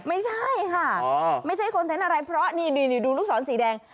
ไม่ใช่ค่ะไม่ใช่คอนเทนต์อะไรเพราะนี่ดูลูกศรสีแดง